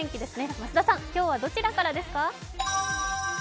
増田さん、今日はどちらからですか？